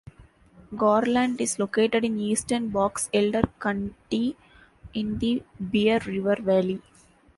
Garland is located in eastern Box Elder County in the Bear River Valley.